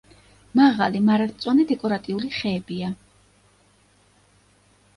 მაღალი მარადმწვანე დეკორატიული ხეებია.